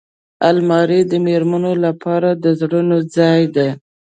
الماري د مېرمنو لپاره د زرونو ځای دی